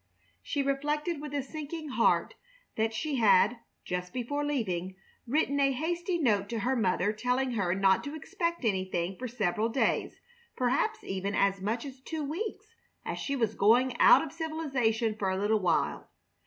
She reflected with a sinking heart that she had, just before leaving, written a hasty note to her mother telling her not to expect anything for several days, perhaps even as much as two weeks, as she was going out of civilization for a little while.